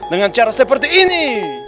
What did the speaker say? dengan cara seperti ini